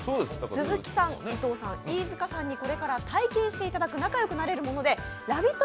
鈴木さん、伊藤さん、飯塚さんにこれから体験していただく仲良くなれるもので「ラヴィット！」